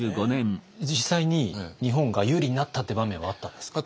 実際に日本が有利になったって場面はあったんですか？